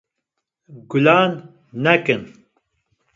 gulan ne kin.